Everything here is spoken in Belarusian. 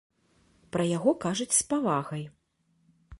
Пра яго кажуць з павагай.